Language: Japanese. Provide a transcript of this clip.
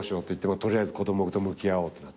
取りあえず子供と向き合おうってなって。